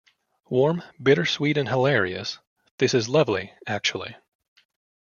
Warm, bittersweet and hilarious, this is lovely, actually.